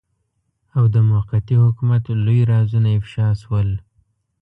او د موقتي حکومت لوی رازونه افشاء شول.